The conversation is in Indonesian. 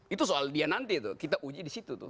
itu soal dia nanti tuh kita uji disitu tuh